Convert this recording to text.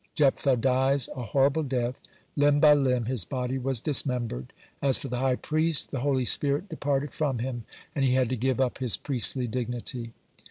Jephthah dies a horrible death. Limb by limb his body was dismembered. As for the high priest, the holy spirit departed from him, and he had to give up his priestly dignity.